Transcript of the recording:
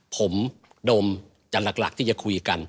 ผมดมจะหลักที่จะคุยกัน